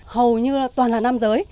hầu như toàn là nam giới